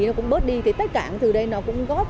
nó cũng bớt đi thì tất cả những thứ đây nó cũng góp